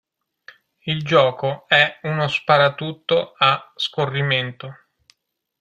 Il gioco è uno sparatutto a scorrimento.